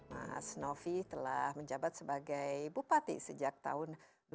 mas novi telah menjabat sebagai bupati sejak tahun dua ribu